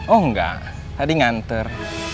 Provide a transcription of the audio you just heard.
oh enggak tadi ngantar